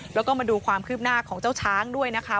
แล้วก็มาดูความคืบหน้าของเจ้าช้างด้วยนะคะ